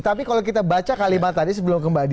tapi kalau kita baca kalimat tadi sebelum kembali